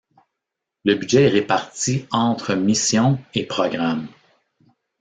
Le budget est réparti entre missions et programmes.